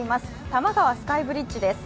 多摩川スカイブリッジです。